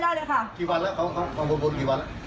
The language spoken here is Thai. แล้วหนูก็พาแฟนหนูไปแจ้งความที่ลงทะแสสุก